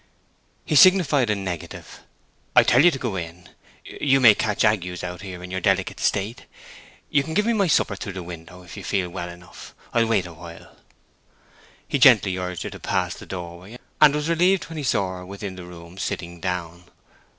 He signified a negative. "I tell you to go in—you may catch agues out here in your delicate state. You can give me my supper through the window, if you feel well enough. I'll wait a while." He gently urged her to pass the door way, and was relieved when he saw her within the room sitting down.